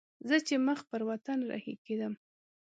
زه چې مخ پر وطن رهي کېدم.